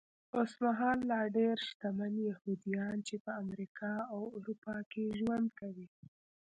اوسمهال لا ډېر شتمن یهوديان چې په امریکا او اروپا کې ژوند کوي.